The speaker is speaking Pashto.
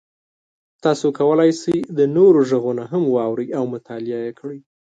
تاسو کولی شئ د نورو غږونه هم واورئ او مطالعه کړئ.